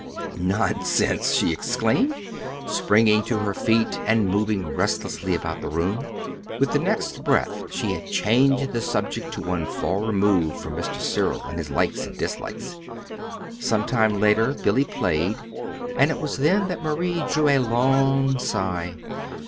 "Nonsense!" she exclaimed, springing to her feet and moving restlessly about the room. With the next breath she had changed the subject to one far removed from Mr. Cyril and his likes and dislikes. Some time later Billy played, and it was then that Marie drew a long sigh.